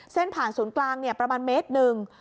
เส้นผ่านศูนย์กลางประมาณเมตรหนึ่ง